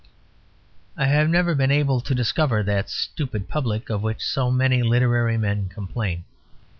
I have never been able to discover that "stupid public" of which so many literary men complain.